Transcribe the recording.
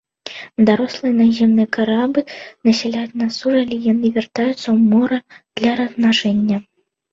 Дарослыя наземныя крабы насяляюць на сушы, але яны вяртаюцца ў мора для размнажэння.